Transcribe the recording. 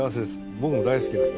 僕も大好きなので。